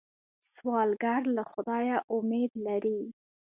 سوالګر له خدایه امید لري